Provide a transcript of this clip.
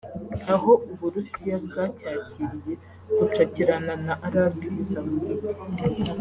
aho u Burusiya bwacyakiriye bucakirana na Arabie Saoudite